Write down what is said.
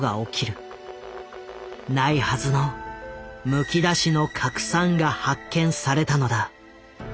ないはずの「むきだしの核酸」が発見されたのだ。